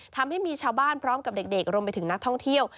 ทำให้มีชาวบ้านพร้อมกับเด็กรวมไปถึงนักท่องเที่ยว